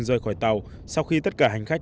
rời khỏi tàu sau khi tất cả hành khách